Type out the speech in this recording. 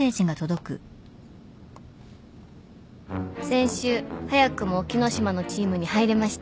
「先週早くも沖野島のチームに入れました！」